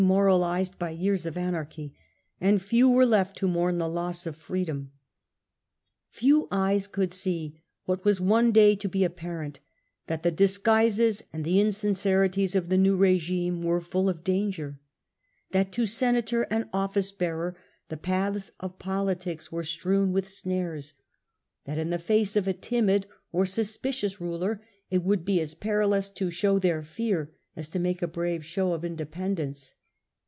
moralised by years of anarchy, and few were left to mourn the loss of freedom. F ew eyes could see what was one day to be apparent, that the disguises and the insincerities of the new rSgime were full of danger; that to senator and office bearer the paths of politics were strewn with snares ; that in the face of a timid or suspicious ruler it would be as perilous to show their fear as to make a brave show of independence.